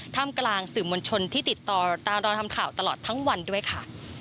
ท่ามกลางสื่อมวลชนที่ติดต่อตามรอทำข่าวตลอดทั้งวันด้วยค่ะ